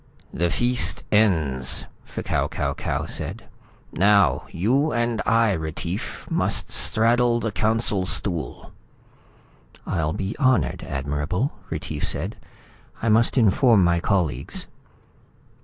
"The feast ends," F'Kau Kau Kau said. "Now you and I, Retief, must straddle the Council Stool." "I'll be honored, Admirable," Retief said. "I must inform my colleagues."